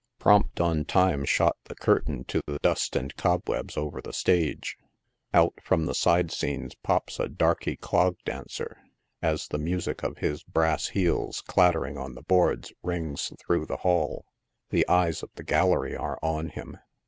Prompt on time shot the curtain to the dust and cobwebs over the stage ; out from the side scenes pops a darkey clog dancer ; as the music of his brass heels clattering on the boards rings through the hall, the eyes of the gallery are on him.